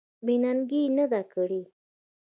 بې ننګي یې نه ده کړې.